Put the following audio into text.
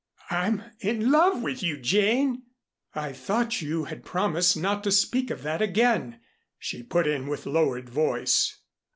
I'm in love with you, Jane " "I thought you had promised not to speak of that again," she put in with lowered voice.